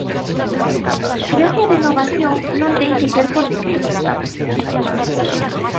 Creo que a renovación non ten que ser por decreto.